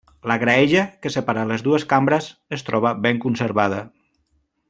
La graella que separa les dues cambres es troba ben conservada.